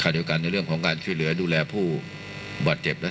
ทรงมีลายพระราชกระแสรับสู่ภาคใต้